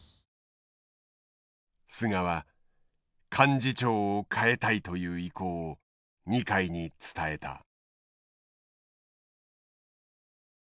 菅は幹事長を代えたいという意向を二階に伝えた。